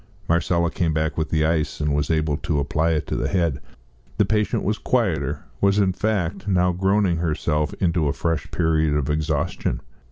Marcella came back with the ice, and was able to apply it to the head. The patient was quieter was, in fact, now groaning herself into a fresh period of exhaustion.